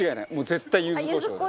絶対、柚子こしょうだ。